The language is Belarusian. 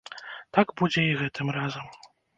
Так будзе і гэтым разам.